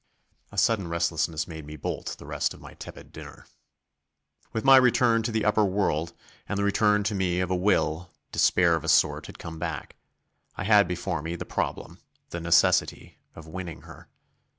A sudden restlessness made me bolt the rest of my tepid dinner. With my return to the upper world, and the return to me of a will, despair of a sort had come back. I had before me the problem the necessity of winning her.